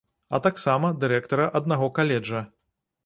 А таксама дырэктара аднаго каледжа.